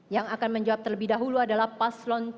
yang akan menjawab terlebih dahulu adalah paslon tiga